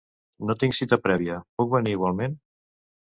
No tinc cita prèvia, puc venir igualment?